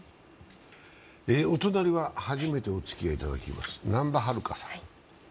お隣は初めておつきあいいただきます、難波遥さん。